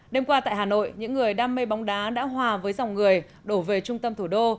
đêm qua tại hà nội những người đam mê bóng đá đã hòa với dòng người đổ về trung tâm thủ đô